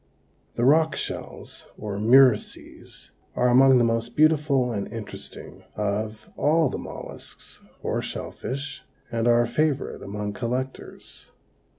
The rock shells or murices are among the most beautiful and interesting of all the mollusks or shell fish, and are a favorite among collectors.